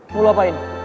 mau lu apain